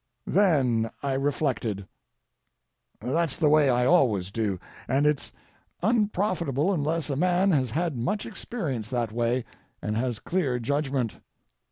Then I reflected. That's the way I always do, and it's unprofitable unless a man has had much experience that way and has clear judgment.